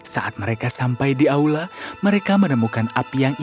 saat mereka sampai di aula mereka menemukan api yang indah